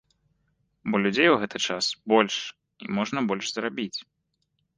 Бо людзей у гэты час больш, і можна больш зарабіць.